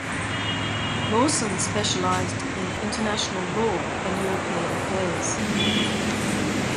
Lawson specialized in international law and European affairs.